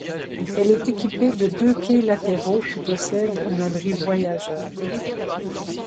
Elle est équipée de deux quais latéraux qui possèdent un abri voyageurs.